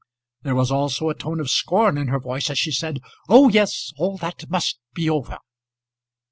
There was almost a tone of scorn in her voice as she said, "Oh yes; all that must be over."